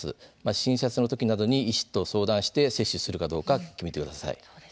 診察の時などに医師と相談して接種するかどうか決めてください。